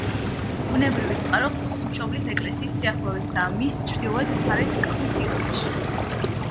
ბუნებრივი წყარო ღვთისმშობლის ეკლესიის სიახლოვესაა მის ჩრდილოეთ მხარეს, კლდის სიღრმეში.